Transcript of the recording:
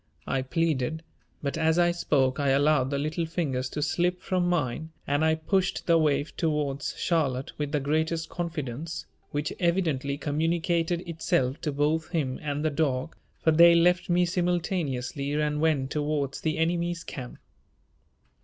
I pleaded, but as I spoke I allowed the little fingers to slip from mine and I pushed the waif towards Charlotte with the greatest confidence, which evidently communicated itself to both him and the dog, for they left me simultaneously and went towards the enemy's camp.